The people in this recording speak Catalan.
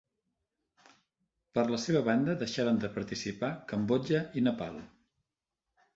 Per la seva banda deixaren de participar Cambodja i Nepal.